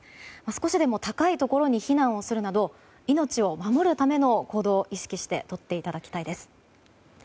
少しでも高いところに避難するなど命を守るための行動を意識してとっていただきたいです。